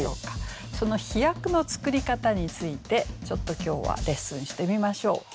その「飛躍」の作り方についてちょっと今日はレッスンしてみましょう。